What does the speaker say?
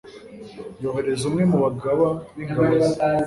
yohereza umwe mu bagaba b'ingabo ze